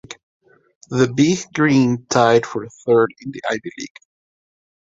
The Big Green tied for third in the Ivy League.